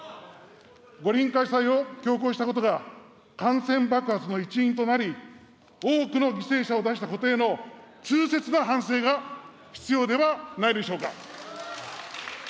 五輪開催を強行したことが感染爆発の一因となり、多くの犠牲者を出したことへの痛切な反省が必要ではないでしょうか。